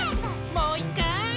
もういっかい！